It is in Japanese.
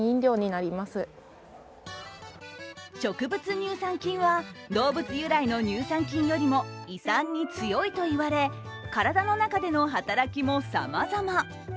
乳酸菌は、動物由来の乳酸菌よりも胃酸に強いといわれ体の中での働きもさまざま。